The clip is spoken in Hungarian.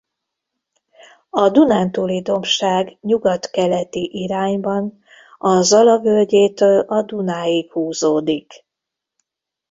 A Dunántúli-dombság nyugat-keleti irányban a Zala völgyétől a Dunáig húzódik.